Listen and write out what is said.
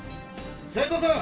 斎藤さん！